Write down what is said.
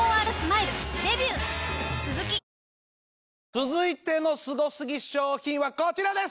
続いてのスゴすぎ商品はこちらです！